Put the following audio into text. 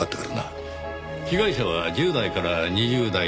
被害者は１０代から２０代。